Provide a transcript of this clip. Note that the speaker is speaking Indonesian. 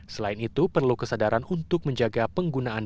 selain itu perlu kesadaran untuk menjaga penggunaan